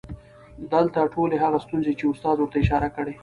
دلته ټولې هغه ستونزې چې استاد ورته اشاره کړى